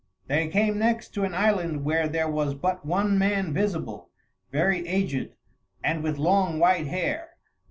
They came next to an island where there was but one man visible, very aged, and with long, white hair.